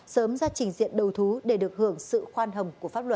sớm ra trình diện đầu thú để được hưởng sự khoan hồng của pháp luật